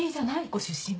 ご出身は？